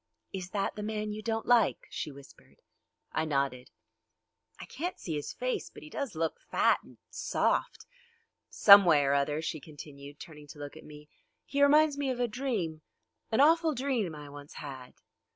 "Is that the man you don't like?" she whispered. I nodded. "I can't see his face, but he does look fat and soft. Someway or other," she continued, turning to look at me, "he reminds me of a dream, an awful dream I once had.